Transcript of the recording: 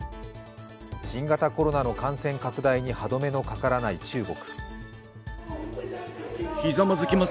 新型コロナの感染拡大に歯止めのかからない中国。